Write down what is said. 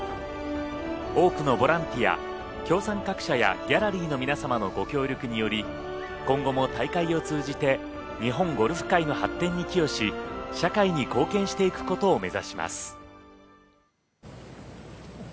多くのボランティア協賛各社やギャラリーの皆様のご協力により今後も大会を通じて日本ゴルフ界の発展に寄与し社会に貢献していくことを目指します。